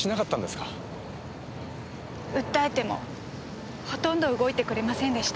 訴えてもほとんど動いてくれませんでした。